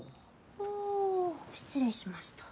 ほう失礼しました。